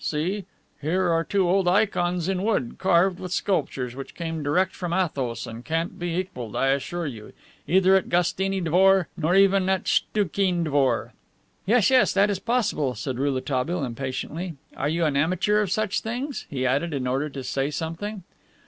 See; here are two old ikons in wood, carved with sculptures, which came direct from Athos, and can't be equaled, I assure you, either at Gastini Dvor nor even at Stchoukine Dvor." "Yes, yes, that is possible," said Rouletabille, impatiently. "Are you an amateur of such things?" he added, in order to say something.